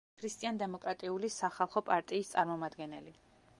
ქრისტიან-დემოკრატიული სახალხო პარტიის წარმომადგენელი.